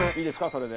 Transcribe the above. それで。